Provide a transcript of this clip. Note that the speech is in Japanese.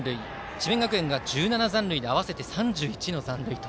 智弁学園が１７残塁で合わせて３１の残塁と。